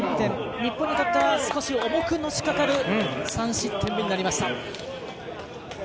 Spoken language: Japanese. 日本にとっては少し重くのしかかる３失点目になりました。